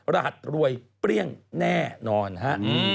รหัสรวยเปรี้ยงแน่นอนฮะ